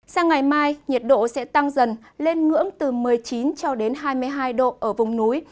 sáng ngày mai nhiệt độ sẽ tăng dần lên ngưỡng từ một mươi chín hai mươi hai độ ở vùng núi